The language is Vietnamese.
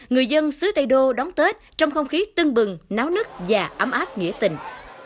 người dân xứ tây đô đón tết trong không khí tưng bừng náo nức và ấm áp nghĩa tình